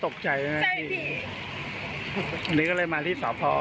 ขนาดที่